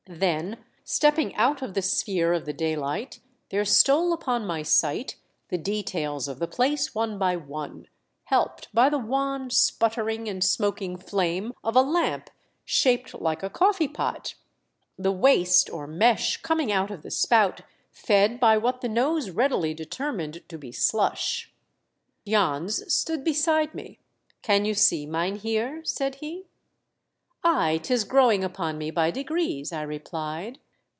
Then stepping out of the sphere of the daylight, there stole upon my sight the details of the place one by one, helped by the wan, sput tering and smoking flame of a lamp shaped like a coffee pot, the waste or mesh coming out of the spout fed by what the nose readily determined to be slush, Jans stood beside me. "Can you see, mynheer ?" said he. "Ay, 'tis growing upon me by degrees," I replied.